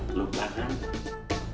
permisi anak bangol